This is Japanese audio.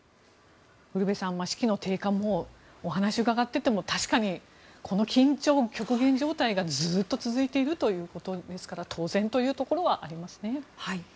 ウルヴェさん士気の低下のお話を伺っていても確かにこの緊張、極限状態がずっと続いているということですから当然というところはありますね。